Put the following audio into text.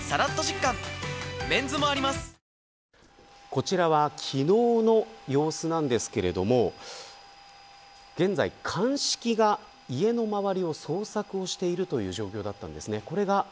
こちらは昨日の様子なんですけれども現在、鑑識が家の周りを捜索しているという状況だったんです。